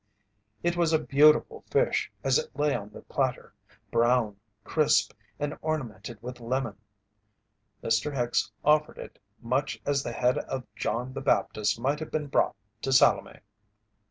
It was a beautiful fish as it lay on the platter, brown, crisp, and ornamented with lemon. Mr. Hicks offered it much as the head of John the Baptist might have been brought to Salome.